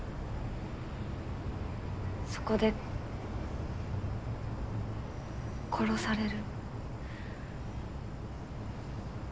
そこで殺される。